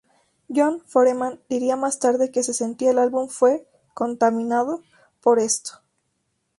Jon Foreman diría más tarde que se sentía el álbum fue "contaminado" por esto.